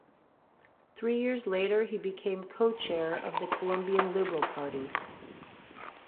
Three years later he became co-chair of the Colombian Liberal Party.